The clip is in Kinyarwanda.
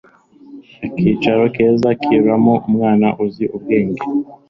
akicaro keza kikuramo umwana uzi ubwenge